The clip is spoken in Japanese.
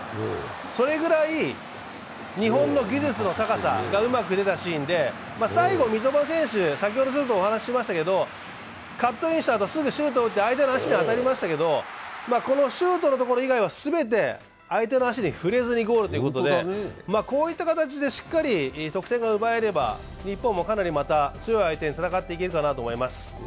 それぐらい日本の技術の高さがうまく出たシーンで、最後、三笘選手、カットインしたあとすぐシュートして相手の足に当たりましたけど、このシュートのところ以外はすべて相手の足に触れずにゴールということで、こういった形でしっかり得点が奪えれば日本もかなりまた強い相手に戦っていけると思います。